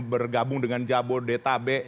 bergabung dengan jabodetabek